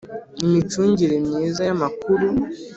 Imicungire myiza y amakuru